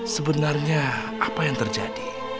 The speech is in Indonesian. sebenarnya apa yang terjadi